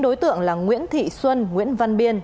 đối tượng là nguyễn thị xuân nguyễn văn biên